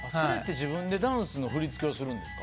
自分でダンスの振り付けをするんですか？